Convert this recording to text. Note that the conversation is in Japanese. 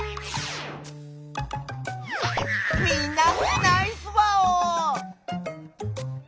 みんなナイスワオ！